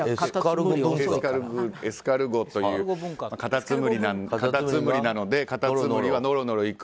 エスカルゴというカタツムリなのでカタツムリは、のろのろ行く。